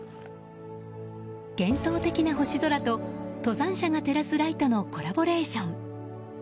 幻想的な星空と登山者が照らすライトのコラボレーション。